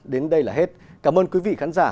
đến đây là hết cảm ơn quý vị khán giả